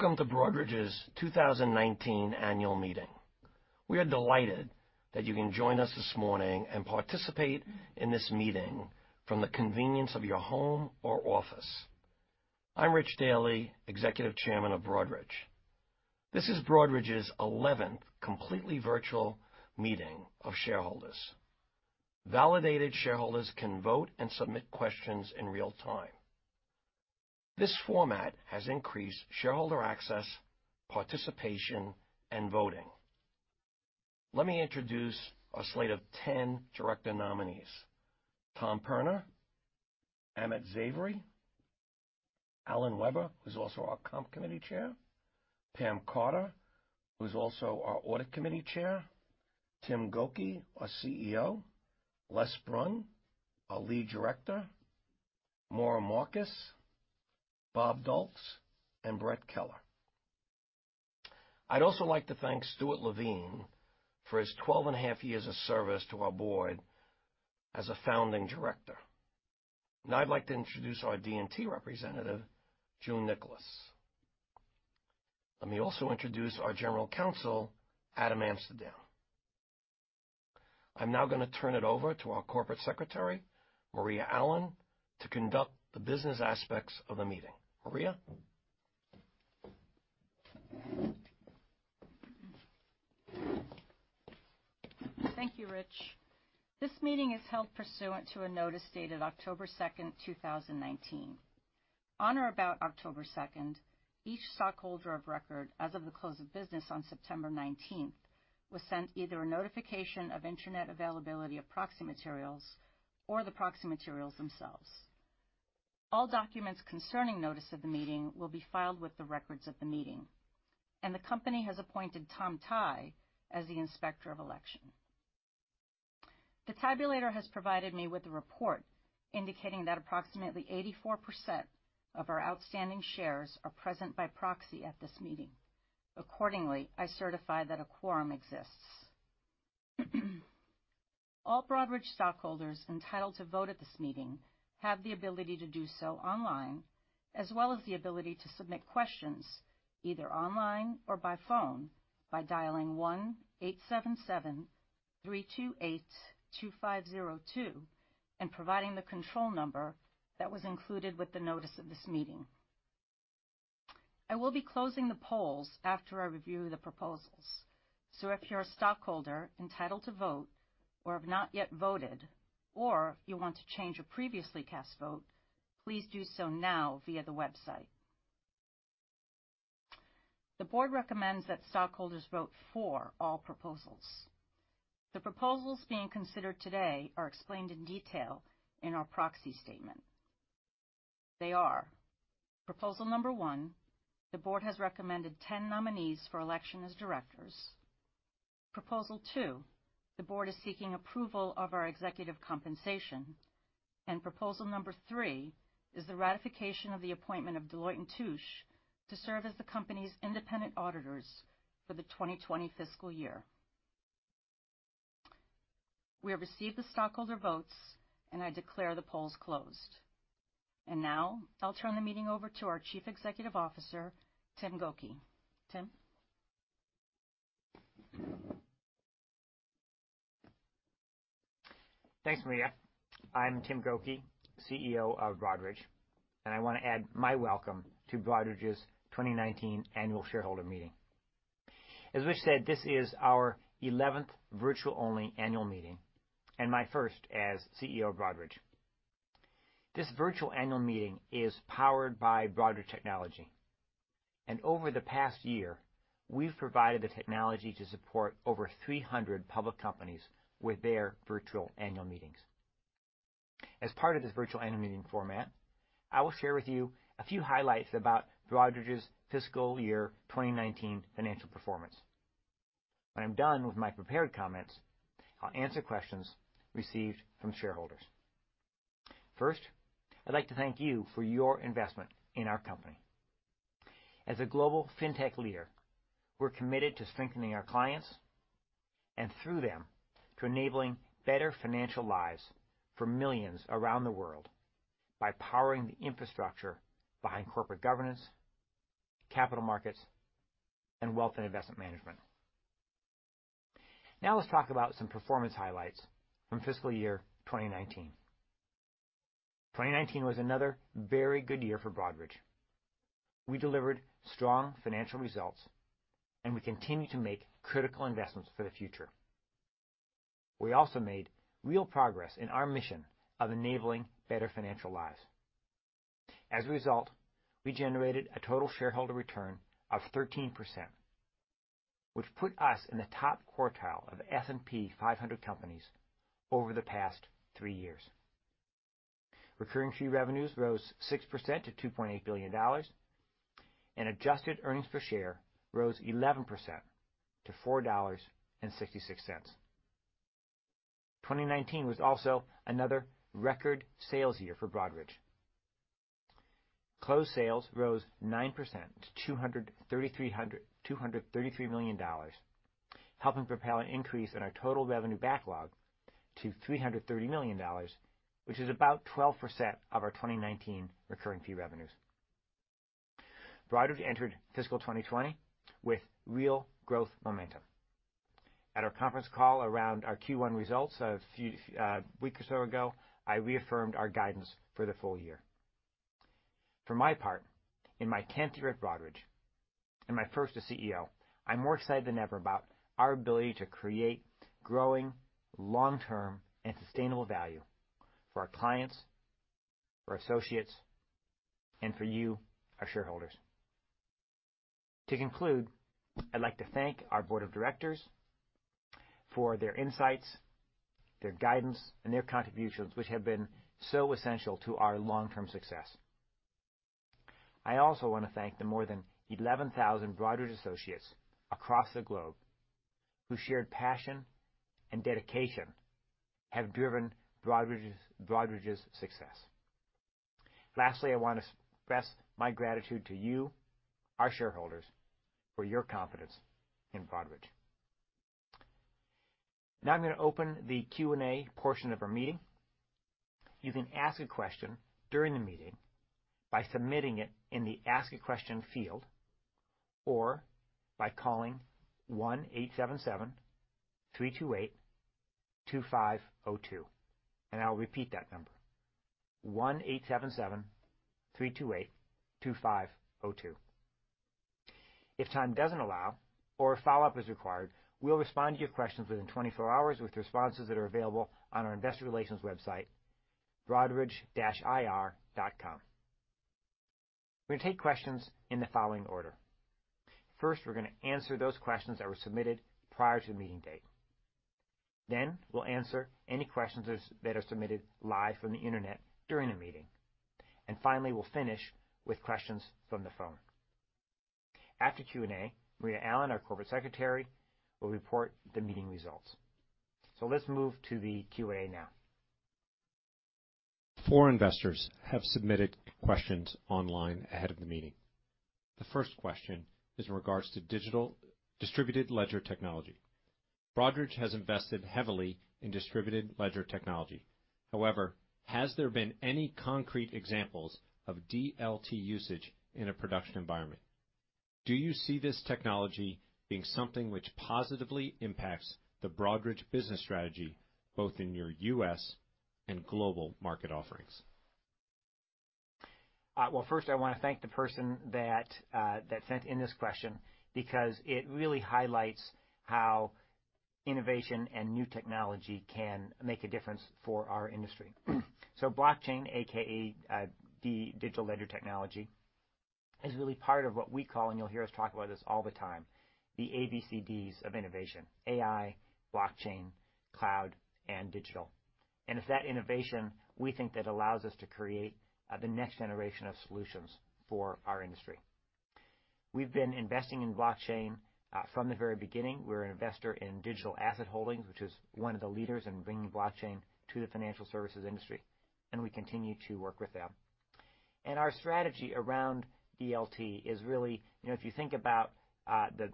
Welcome to Broadridge's 2019 annual meeting. We are delighted that you can join us this morning and participate in this meeting from the convenience of your home or office. I'm Rich Daly, Executive Chairman of Broadridge. This is Broadridge's 11th completely virtual meeting of shareholders. Validated shareholders can vote and submit questions in real time. This format has increased shareholder access, participation, and voting. Let me introduce our slate of 10 director nominees. Tom Perna, Amit Zavery, Alan Weber, who's also our Comp Committee Chair, Pam Carter, who's also our Audit Committee Chair, Tim Gokey, our CEO, Les Brun, our Lead Director, Maura Markus, Bob Duelks, and Brett Keller. I'd also like to thank Stuart Levine for his 12 and a half years of service to our board as a founding director. Now I'd like to introduce our D&T representative, June Niklus. Let me also introduce our general counsel, Adam Amsterdam. I'm now going to turn it over to our corporate secretary, Maria Allen, to conduct the business aspects of the meeting. Maria? Thank you, Rich. This meeting is held pursuant to a notice dated October 2nd, 2019. On or about October 2nd, each stockholder of record as of the close of business on September 19th was sent either a notification of internet availability of proxy materials or the proxy materials themselves. All documents concerning notice of the meeting will be filed with the records of the meeting, and the company has appointed Tom Tighe as the Inspector of Election. The tabulator has provided me with a report indicating that approximately 84% of our outstanding shares are present by proxy at this meeting. Accordingly, I certify that a quorum exists. All Broadridge stockholders entitled to vote at this meeting have the ability to do so online, as well as the ability to submit questions either online or by phone by dialing 1-877-328-2502 and providing the control number that was included with the notice of this meeting. I will be closing the polls after I review the proposals. If you're a stockholder entitled to vote or have not yet voted, or you want to change a previously cast vote, please do so now via the website. The board recommends that stockholders vote for all proposals. The proposals being considered today are explained in detail in our proxy statement. They are proposal number 1, the board has recommended 10 nominees for election as directors. Proposal 2, the board is seeking approval of our executive compensation. Proposal number three is the ratification of the appointment of Deloitte & Touche to serve as the company's independent auditors for the 2020 fiscal year. We have received the stockholder votes, and I declare the polls closed. Now I'll turn the meeting over to our Chief Executive Officer, Tim Gokey. Tim? Thanks, Maria. I'm Tim Gokey, CEO of Broadridge. I want to add my welcome to Broadridge's 2019 annual shareholder meeting. As Rich said, this is our 11th virtual-only annual meeting and my first as CEO of Broadridge. This virtual annual meeting is powered by Broadridge technology. Over the past year, we've provided the technology to support over 300 public companies with their virtual annual meetings. As part of this virtual annual meeting format, I will share with you a few highlights about Broadridge's fiscal year 2019 financial performance. When I'm done with my prepared comments, I'll answer questions received from shareholders. First, I'd like to thank you for your investment in our company. As a global fintech leader, we're committed to strengthening our clients and through them, to enabling better financial lives for millions around the world by powering the infrastructure behind corporate governance, capital markets, and wealth and investment management. Let's talk about some performance highlights from fiscal year 2019. 2019 was another very good year for Broadridge. We delivered strong financial results, and we continued to make critical investments for the future. We also made real progress in our mission of enabling better financial lives. As a result, we generated a total shareholder return of 13%, which put us in the top quartile of S&P 500 companies over the past three years. Recurring fee revenues rose 6% to $2.8 billion, and adjusted earnings per share rose 11% to $4.66. 2019 was also another record sales year for Broadridge. Closed sales rose 9% to $233 million, helping propel an increase in our total revenue backlog to $330 million, which is about 12% of our 2019 recurring fee revenues. Broadridge entered fiscal 2020 with real growth momentum. At our conference call around our Q1 results a week or so ago, I reaffirmed our guidance for the full year. For my part, in my 10th year at Broadridge and my first as CEO, I'm more excited than ever about our ability to create growing long-term and sustainable value for our clients, our associates, and for you, our shareholders. To conclude, I'd like to thank our board of directors for their insights, their guidance, and their contributions, which have been so essential to our long-term success. I also want to thank the more than 11,000 Broadridge associates across the globe, whose shared passion and dedication have driven Broadridge's success. Lastly, I want to express my gratitude to you, our shareholders, for your confidence in Broadridge. Now I'm going to open the Q&A portion of our meeting. You can ask a question during the meeting by submitting it in the Ask a Question field, or by calling 1-877-328-2502. I will repeat that number, 1-877-328-2502. If time doesn't allow, or if follow-up is required, we'll respond to your questions within 24 hours with responses that are available on our investor relations website, broadridge-ir.com. We're going to take questions in the following order. First, we're going to answer those questions that were submitted prior to the meeting date. We'll answer any questions that are submitted live from the internet during the meeting. Finally, we'll finish with questions from the phone. After Q&A, Maria Allen, our Corporate Secretary, will report the meeting results. Let's move to the Q&A now. Four investors have submitted questions online ahead of the meeting. The first question is in regards to distributed ledger technology. Broadridge has invested heavily in distributed ledger technology. However, has there been any concrete examples of DLT usage in a production environment? Do you see this technology being something which positively impacts the Broadridge business strategy, both in your U.S. and global market offerings? Well, first I want to thank the person that sent in this question because it really highlights how innovation and new technology can make a difference for our industry. Blockchain, AKA distributed ledger technology, is really part of what we call, and you'll hear us talk about this all the time, the ABCDs of innovation, AI, Blockchain, Cloud, and Digital. It's that innovation we think that allows us to create the next generation of solutions for our industry. We've been investing in Blockchain from the very beginning. We're an investor in Digital Asset Holdings, which is one of the leaders in bringing Blockchain to the financial services industry, and we continue to work with them. Our strategy around DLT is really, if you think about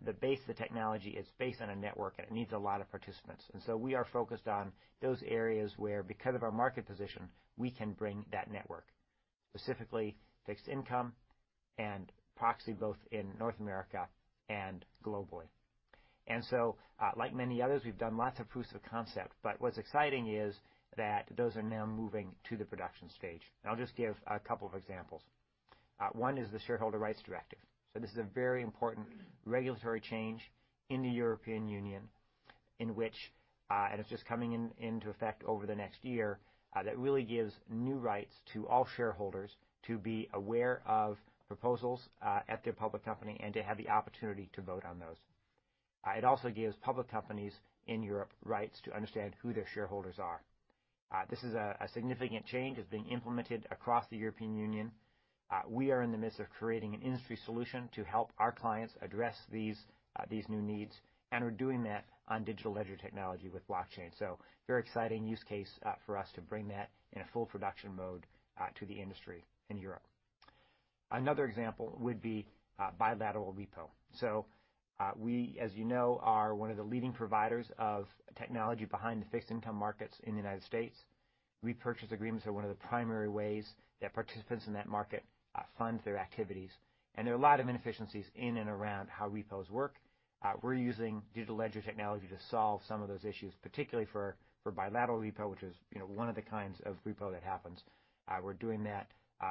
the base of the technology, it's based on a network, and it needs a lot of participants. We are focused on those areas where, because of our market position, we can bring that network, specifically fixed income and proxy, both in North America and globally. Like many others, we've done lots of proofs of concept, but what's exciting is that those are now moving to the production stage. I'll just give a couple of examples. One is the Shareholder Rights Directive. This is a very important regulatory change in the European Union, and it's just coming into effect over the next year, that really gives new rights to all shareholders to be aware of proposals at their public company and to have the opportunity to vote on those. It also gives public companies in Europe rights to understand who their shareholders are. This is a significant change. It's being implemented across the European Union. We are in the midst of creating an industry solution to help our clients address these new needs. We're doing that on distributed ledger technology with blockchain. Very exciting use case for us to bring that in a full production mode to the industry in Europe. Another example would be bilateral repo. We, as you know, are one of the leading providers of technology behind the fixed income markets in the U.S. Repurchase agreements are one of the primary ways that participants in that market fund their activities. There are a lot of inefficiencies in and around how repos work. We're using distributed ledger technology to solve some of those issues, particularly for bilateral repo, which is one of the kinds of repo that happens. We're doing that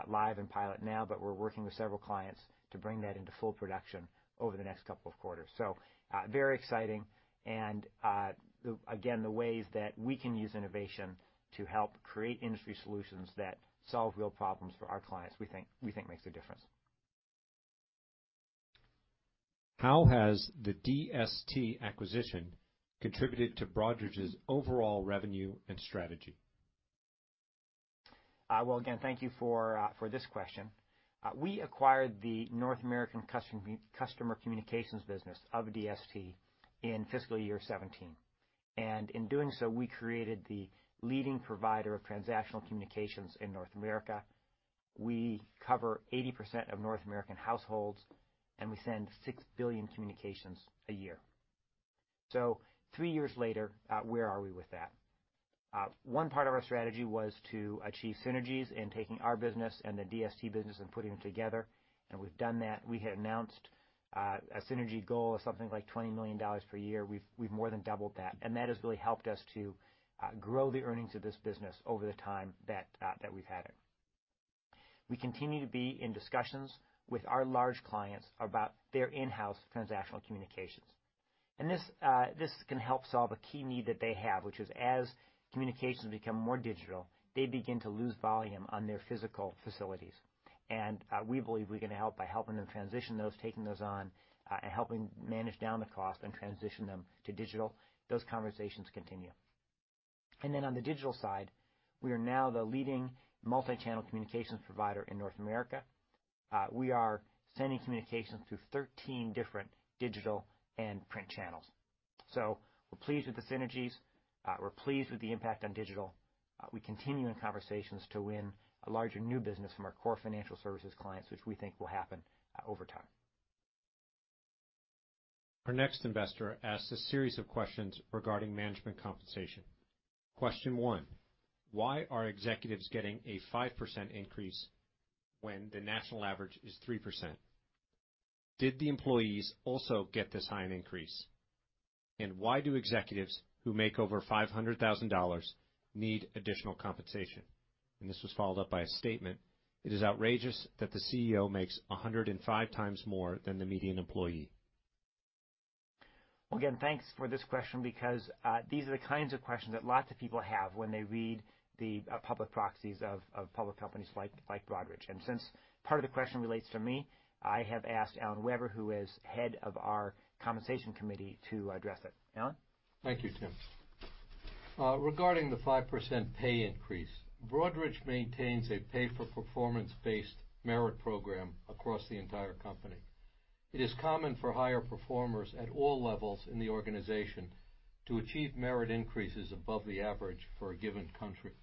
live in pilot now. We're working with several clients to bring that into full production over the next couple of quarters. Very exciting and, again, the ways that we can use innovation to help create industry solutions that solve real problems for our clients, we think makes a difference. How has the DST acquisition contributed to Broadridge's overall revenue and strategy? Well, again, thank you for this question. We acquired the North American customer communications business of DST in fiscal year 2017, and in doing so, we created the leading provider of transactional communications in North America. We cover 80% of North American households, and we send 6 billion communications a year. 3 years later, where are we with that? One part of our strategy was to achieve synergies in taking our business and the DST business and putting them together, and we've done that. We had announced a synergy goal of something like $20 million per year. We've more than doubled that, and that has really helped us to grow the earnings of this business over the time that we've had it. We continue to be in discussions with our large clients about their in-house transactional communications. This can help solve a key need that they have, which is, as communications become more digital, they begin to lose volume on their physical facilities. We believe we can help by helping them transition those, taking those on, and helping manage down the cost and transition them to digital. Those conversations continue. On the digital side, we are now the leading multichannel communications provider in North America. We are sending communications through 13 different digital and print channels. We're pleased with the synergies. We're pleased with the impact on digital. We continue in conversations to win larger new business from our core financial services clients, which we think will happen over time. Our next investor asks a series of questions regarding management compensation. Question one, why are executives getting a 5% increase when the national average is 3%? Did the employees also get this high an increase? Why do executives who make over $500,000 need additional compensation? This was followed up by a statement, "It is outrageous that the CEO makes 105 times more than the median employee. Well, again, thanks for this question because these are the kinds of questions that lots of people have when they read the public proxies of public companies like Broadridge. Since part of the question relates to me, I have asked Alan Weber, who is head of our compensation committee, to address it. Alan? Thank you, Tim. Regarding the 5% pay increase, Broadridge maintains a pay-for-performance-based merit program across the entire company. It is common for higher performers at all levels in the organization to achieve merit increases above the average for a given country.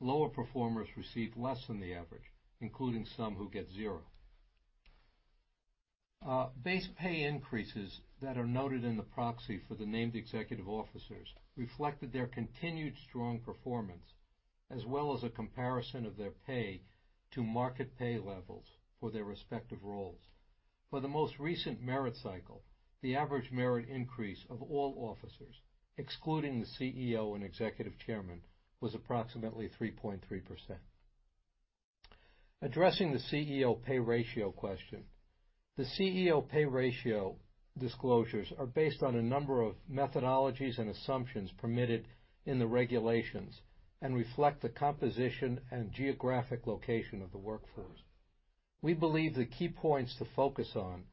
Lower performers receive less than the average, including some who get zero. Base pay increases that are noted in the proxy for the named executive officers reflected their continued strong performance, as well as a comparison of their pay to market pay levels for their respective roles. For the most recent merit cycle, the average merit increase of all officers, excluding the CEO and Executive Chairman, was approximately 3.3%. Addressing the CEO pay ratio question, the CEO pay ratio disclosures are based on a number of methodologies and assumptions permitted in the regulations and reflect the composition and geographic location of the workforce. We believe the key points to focus on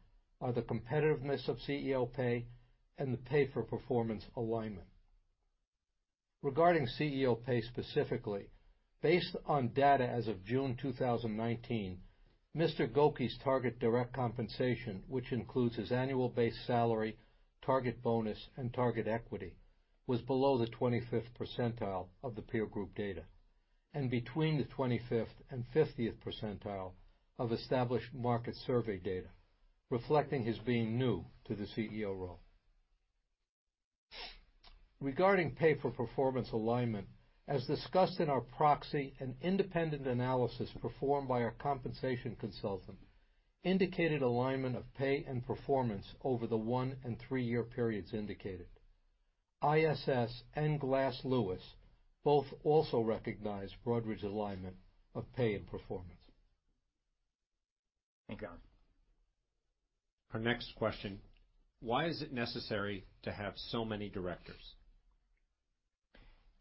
are the competitiveness of CEO pay and the pay-for-performance alignment. Regarding CEO pay specifically, based on data as of June 2019, Mr. Gokey's target direct compensation, which includes his annual base salary, target bonus, and target equity, was below the 25th percentile of the peer group data and between the 25th and 50th percentile of established market survey data, reflecting his being new to the CEO role. Regarding pay-for-performance alignment, as discussed in our proxy, an independent analysis performed by our compensation consultant indicated alignment of pay and performance over the one and three-year periods indicated. ISS and Glass Lewis both also recognize Broadridge alignment of pay and performance. Thank you, Alan. Our next question, why is it necessary to have so many directors?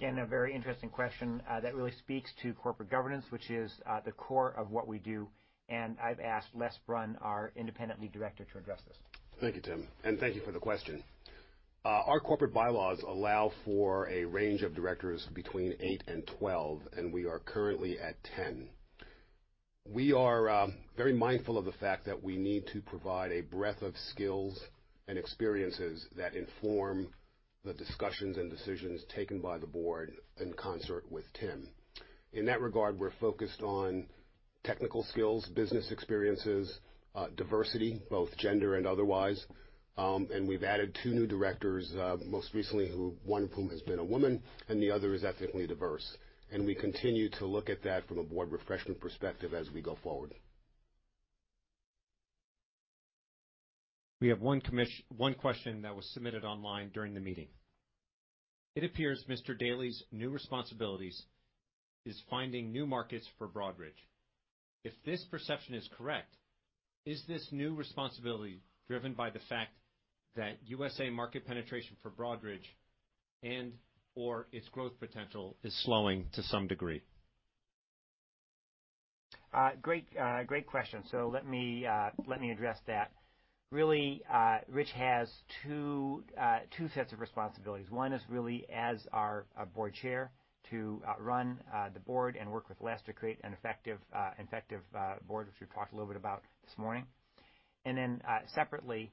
Again, a very interesting question that really speaks to corporate governance, which is the core of what we do, and I've asked Les Brun, our Lead Independent Director, to address this. Thank you, Tim. Thank you for the question. Our corporate bylaws allow for a range of directors between 8 and 12, and we are currently at 10. We are very mindful of the fact that we need to provide a breadth of skills and experiences that inform the discussions and decisions taken by the Board in concert with Tim. In that regard, we're focused on technical skills, business experiences, diversity, both gender and otherwise, and we've added 2 new directors, most recently, one of whom has been a woman, and the other is ethnically diverse. We continue to look at that from a Board refreshment perspective as we go forward. We have one question that was submitted online during the meeting. It appears Mr. Daly's new responsibilities is finding new markets for Broadridge. If this perception is correct, is this new responsibility driven by the fact that USA market penetration for Broadridge and/or its growth potential is slowing to some degree? Great question. Let me address that. Really, Rich has two sets of responsibilities. One is really as our board chair to run the board and work with Les to create an effective board, which we've talked a little bit about this morning. Separately,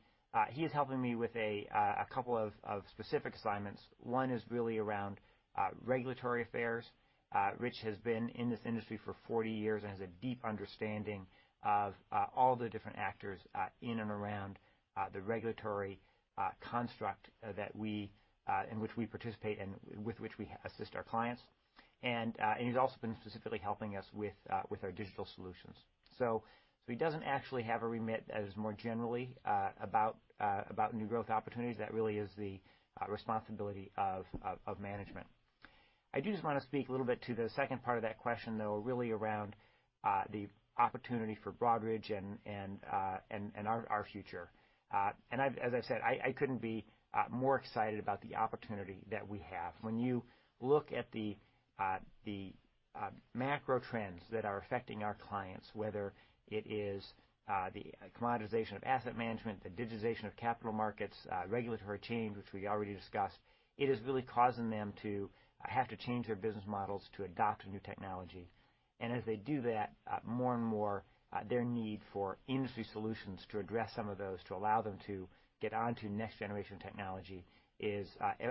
he is helping me with a couple of specific assignments. One is really around regulatory affairs. Rich has been in this industry for 40 years and has a deep understanding of all the different actors in and around the regulatory construct in which we participate and with which we assist our clients. He's also been specifically helping us with our digital solutions. He doesn't actually have a remit that is more generally about new growth opportunities. That really is the responsibility of management. I do just want to speak a little bit to the second part of that question, though, really around the opportunity for Broadridge and our future. As I said, I couldn't be more excited about the opportunity that we have. When you look at the macro trends that are affecting our clients, whether it is the commoditization of asset management, the digitization of capital markets, regulatory change, which we already discussed, it is really causing them to have to change their business models to adopt a new technology. As they do that, more and more, their need for industry solutions to address some of those to allow them to get onto next-generation technology is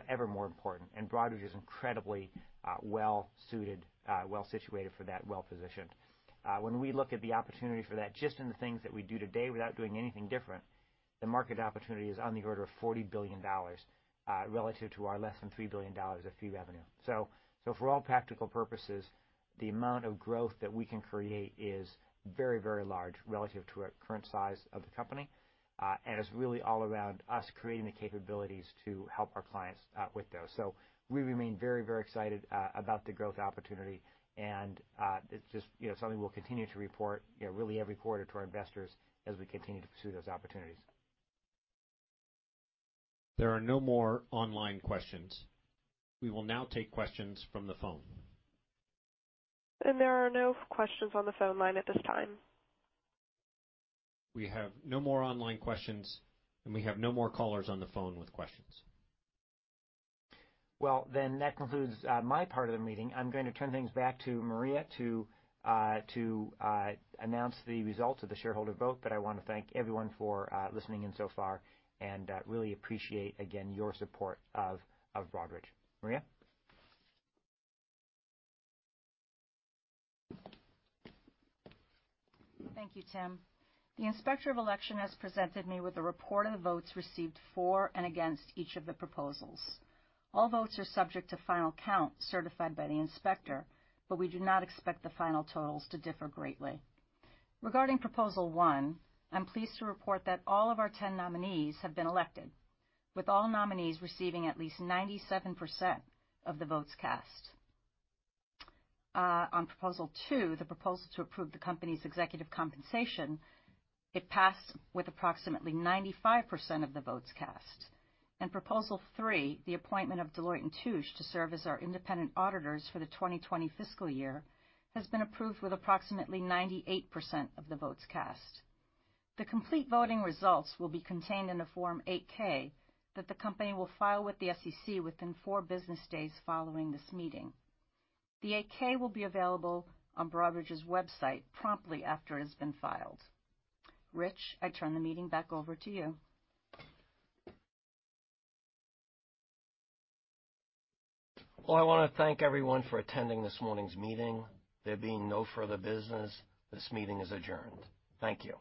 ever more important. Broadridge is incredibly well-suited, well-situated for that, well-positioned. We look at the opportunity for that, just in the things that we do today without doing anything different, the market opportunity is on the order of $40 billion relative to our less than $3 billion of fee revenue. For all practical purposes, the amount of growth that we can create is very large relative to our current size of the company. It's really all around us creating the capabilities to help our clients with those. We remain very excited about the growth opportunity, it's just something we'll continue to report every quarter to our investors as we continue to pursue those opportunities. There are no more online questions. We will now take questions from the phone. There are no questions on the phone line at this time. We have no more online questions, and we have no more callers on the phone with questions. Well, that concludes my part of the meeting. I'm going to turn things back to Maria to announce the results of the shareholder vote, but I want to thank everyone for listening in so far and really appreciate, again, your support of Broadridge. Maria? Thank you, Tim. The Inspector of Election has presented me with a report of the votes received for and against each of the proposals. All votes are subject to final count certified by the inspector, but we do not expect the final totals to differ greatly. Regarding proposal one, I'm pleased to report that all of our 10 nominees have been elected, with all nominees receiving at least 97% of the votes cast. On proposal two, the proposal to approve the company's executive compensation, it passed with approximately 95% of the votes cast. Proposal three, the appointment of Deloitte & Touche to serve as our independent auditors for the 2020 fiscal year, has been approved with approximately 98% of the votes cast. The complete voting results will be contained in the Form 8-K that the company will file with the SEC within four business days following this meeting. The 8-K will be available on Broadridge's website promptly after it has been filed. Rich, I turn the meeting back over to you. Well, I want to thank everyone for attending this morning's meeting. There being no further business, this meeting is adjourned. Thank you.